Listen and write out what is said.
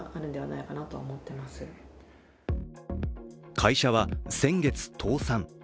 会社は先月倒産。